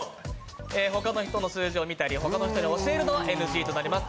他の人の数字を見たり、他の人に教えるのはＮＧとなります。